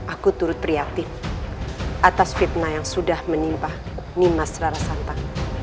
aku turut prihatin atas fitnah yang sudah menimpa nimas rara santa